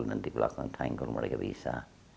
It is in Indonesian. nanti belakang tanggul mereka bisa